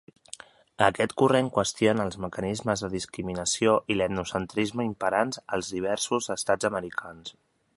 Aquest corrent qüestiona els mecanismes de discriminació i l'etnocentrisme imperants als diversos estats americans.